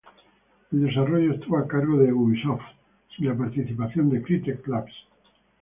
El desarrollo estuvo a cargo de Ubisoft, sin la participación de Crytek Labs.